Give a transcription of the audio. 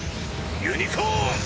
ユニコーン！